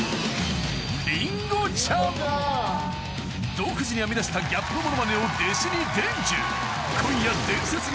［独自に編み出したギャップモノマネを弟子に伝授］